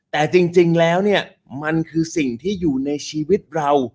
แต่จริงแล้วเนี่ยมันคือสิ่งที่อยู่ในชีวิตเรา